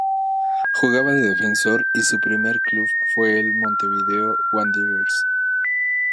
Jugaba de defensor y su primer club fue el Montevideo Wanderers.